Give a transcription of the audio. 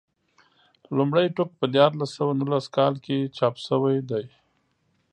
لومړی ټوک په دیارلس سوه نولس کال کې چاپ شوی دی.